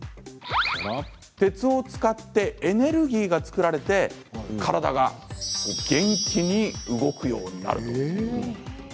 鉄を使ってエネルギーが作られて体が元気に動くようになる。